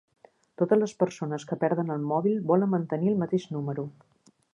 Totes les persones que perden el mòbil volen mantenir el mateix número.